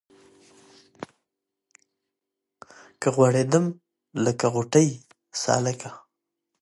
که غوړېدم لکه غوټۍ سالکه